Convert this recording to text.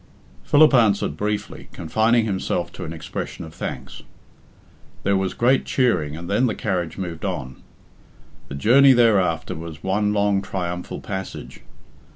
Philip answered briefly, confining himself to an expression of thanks; there was great cheering and then the carriage moved on. The journey thereafter was one long triumphal passage.